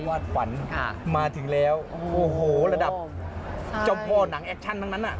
วาดฝันมาถึงแล้วโอ้โหระดับเจ้าพ่อหนังแอคชั่นทั้งนั้นอ่ะ